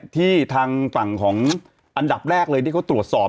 ทางฝั่งของอันดับแรกเลยที่เขาตรวจสอบ